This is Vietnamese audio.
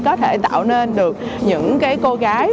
có thể tạo nên được những cái cô gái